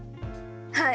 はい。